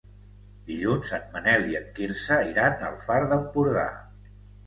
Dilluns en Manel i en Quirze iran al Far d'Empordà.